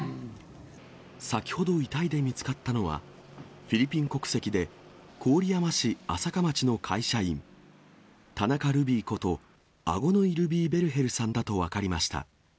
先ほど遺体で見つかったのは、フィリピン国籍で郡山市安積町の会社員、田中ルビーこと、アゴノイ・ルビー・ベルヘルさんだと分かりました。